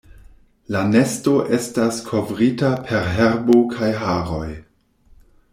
La nesto estas kovrita per herbo kaj haroj.